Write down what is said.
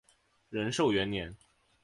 仁寿元年。